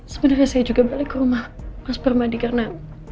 sebenarnya saya juga balik ke rumah mas permadi karena